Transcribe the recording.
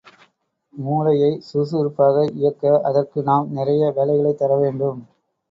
மூளையை சுறுசுறுப்பாக இயக்க, அதற்கு நாம் நிறைய வேலைகளைத் தரவேண்டும்.